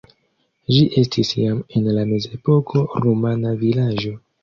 Ĝi estis jam en la mezepoko rumana vilaĝo.